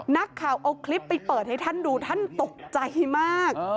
นักข่าวเอาคลิปไปเปิดให้ท่านดูท่านตกใจมาก